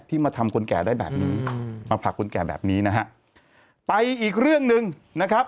มาทำคนแก่ได้แบบนี้มาผลักคนแก่แบบนี้นะฮะไปอีกเรื่องหนึ่งนะครับ